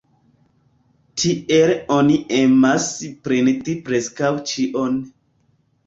Tiel oni emas printi preskaŭ ĉion.